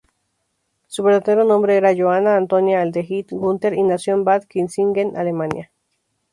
Su verdadero nombre era Johanna Antonia Adelheid Günther, y nació en Bad Kissingen, Alemania.